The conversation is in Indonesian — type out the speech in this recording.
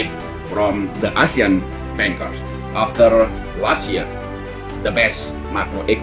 pembangunan sistemik dan regulator prudensial yang terbaik di asia pasifik dua ribu dua puluh